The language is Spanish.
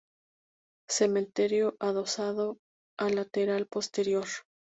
Cementerio adosado a lateral posterior.